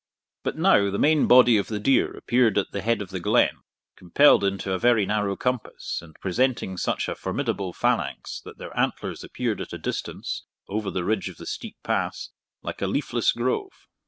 But now the main body of the deer appeared at the head of the glen, compelled into a very narrow compass, and presenting such a formidable phalanx that their antlers appeared at a distance, over the ridge of the steep pass, like a leafless grove.